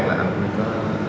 là anh mới có